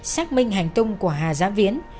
xác minh hành tông của hà giám viễn